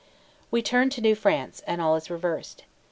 We turn to New France, and all is reversed.